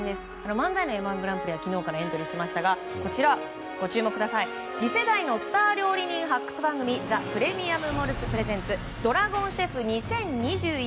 漫才の「Ｍ‐１グランプリ」は昨日からエントリーしましたがこちら次世代のスター料理人発掘番組「ザ・プレミアム・モルツｐｒｅｓｅｎｔｓＤＲＡＧＯＮＣＨＥＦ２０２１」。